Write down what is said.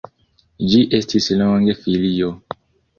Ĝi estis longe filio.